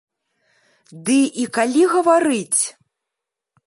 Ды, і калі гаварыць?